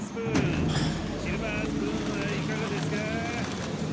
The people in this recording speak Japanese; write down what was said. シルバースプーンはいかがですかー！